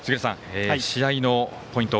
試合のポイント